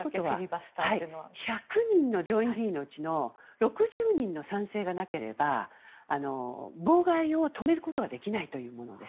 １００人の上院議員のうちの６０人の賛成がなければ妨害を止めることができないというものです。